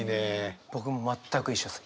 僕も全く一緒です。